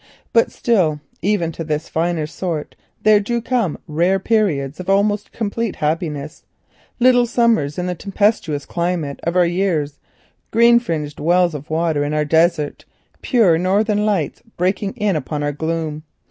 But, even to this finer sort there do come rare periods of almost complete happiness—little summers in the tempestuous climate of our years, green fringed wells of water in our desert, pure northern lights breaking in upon our gloom.